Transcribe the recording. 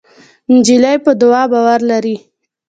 نجلۍ په دعا باور لري.